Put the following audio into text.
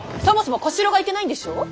そもそも小四郎がいけないんでしょ。